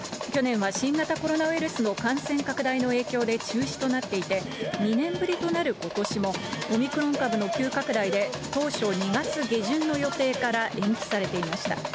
去年は新型コロナウイルスの感染拡大の影響で中止となっていて、２年ぶりとなることしも、オミクロン株の急拡大で当初、２月下旬の予定から延期されていました。